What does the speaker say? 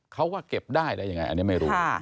เขาก็เก็บได้ได้ยังไงอันนี้ไม่รู้